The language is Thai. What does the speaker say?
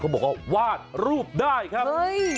บอกว่าวาดรูปได้ครับ